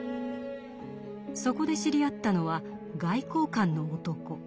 そこで知り合ったのは外交官の男。